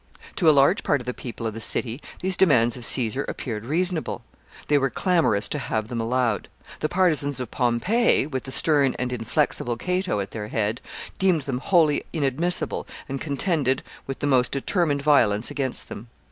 To a large part of the people of the city these demands of Caesar appeared reasonable. They were clamorous to have them allowed. The partisans of Pompey, with the stern and inflexible Cato at their head, deemed them wholly inadmissible, and contended with the most determined violence against them.